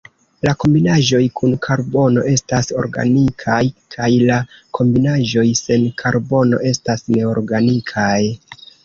La kombinaĵoj kun karbono estas organikaj, kaj la kombinaĵoj sen karbono estas neorganikaj.